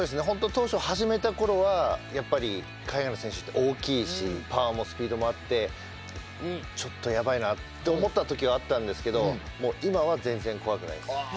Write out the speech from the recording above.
本当当初始めた頃はやっぱり海外の選手って大きいしパワーもスピードもあってちょっとやばいなって思った時はあったんですけどもう今は全然怖くないです。